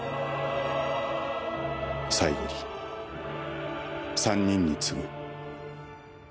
「最後に３人に告ぐ」